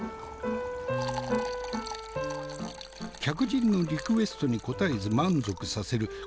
客人のリクエストに応えず満足させる。